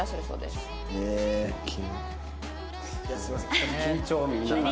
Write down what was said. すみません